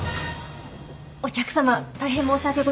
お客さま大変申し訳ございません